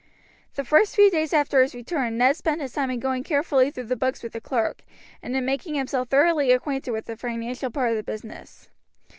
The first few days after his return Ned spent his time in going carefully through the books with the clerk, and in making himself thoroughly acquainted with the financial part of the business.